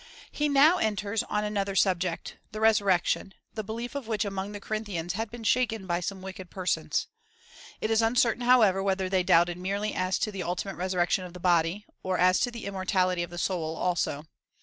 He now enters on an other subject — the resurrection — the belief of which among the Corinthians had been shaken by some wicked per sons. It is uncertain, however, whether they doubted merely as to the ultimate resurrection of the body, or as to the immortality of the soul also.